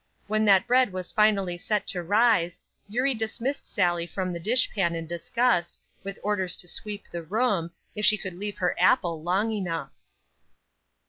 When that bread was finally set to rise, Eurie dismissed Sallie from the dish pan in disgust, with orders to sweep the room, if she could leave her apple long enough.